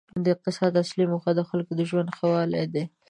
د اقتصاد اصلي موخه د خلکو د ژوند ښه والی دی.